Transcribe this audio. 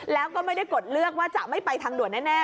แล้วก็ไม่ได้กดเลือกว่าจะไม่ไปทางด่วนแน่